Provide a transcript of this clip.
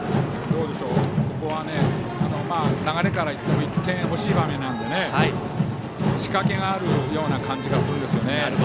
ここは流れからいっても１点欲しい場面なので仕掛けがあるような感じがするんですよね。